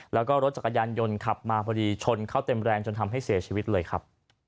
แล้วก็รถจักรยานยนต์ขับมาพอดีชนเข้าเต็มแรงจนทำให้เสียชีวิตเลยครับ